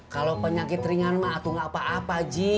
kalau penyakit ringan mah atu gak apa apa ji